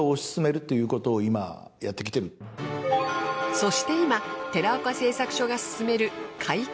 そして今寺岡製作所が進める改革。